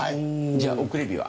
じゃあ送り火は？